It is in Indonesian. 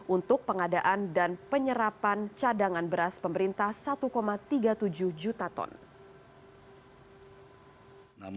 untuk pengadaan dan penyerapan cadangan beras pemerintah satu tiga puluh tujuh juta ton